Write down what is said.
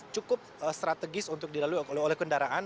cukup strategis untuk dilalui oleh kendaraan